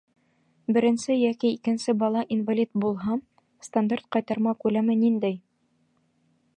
— Беренсе йәки икенсе бала инвалид булһа, стандарт ҡайтарма күләме ниндәй?